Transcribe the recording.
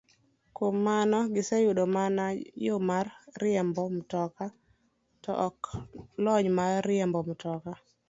Kuom mano, giseyudo mana yo mar riembo mtoka, to ok lony mar riembo mtoka.